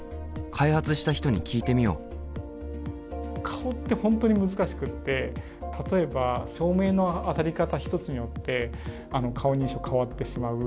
顔って本当に難しくって例えば照明の当たり方一つによって顔認証変わってしまう。